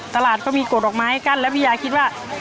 ตลาดก็มีกฎดอกไม้กั้นแล้วพี่ยาคิดว่า